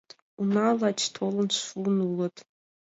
Уна лач толын шуын улыт.